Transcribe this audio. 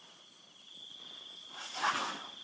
กันแทน